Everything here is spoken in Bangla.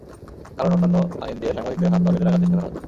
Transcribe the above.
কারণ, অন্যান্য আইন দিয়ে সাংবাদিকদের হাত-পা বেঁধে রাখার চেষ্টা করা হচ্ছে।